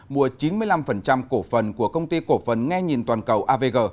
mua chín mươi năm cổ phần của công ty cổ phần nghe nhìn toàn cầu avg